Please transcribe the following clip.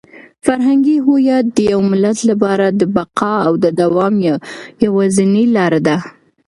فرهنګي هویت د یو ملت لپاره د بقا او د دوام یوازینۍ لاره ده.